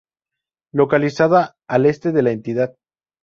Localizada al este de la entidad.